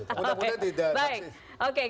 apa dulu pernah minta untuk berbohong